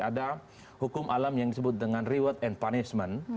ada hukum alam yang disebut dengan reward and punishment